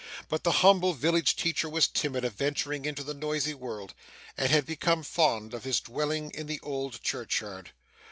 But the humble village teacher was timid of venturing into the noisy world, and had become fond of his dwelling in the old churchyard.